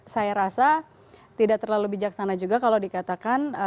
saya rasa tidak terlalu bijaksana juga kalau dikatakan